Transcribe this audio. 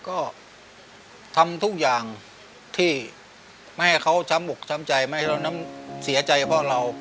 ก็ทำทุกอย่างที่ไม่ให้เขาช้ำอกช้ำใจไม่ให้เรานั้นเสียใจเพราะเรา